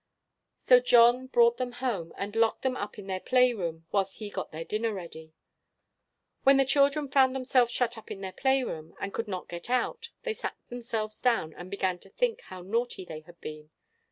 So John brought them home, and locked them up in their play room, whilst he got their dinner ready. When the children found themselves shut up in their play room, and could not get out, they sat themselves down, and began to think how naughty they had been.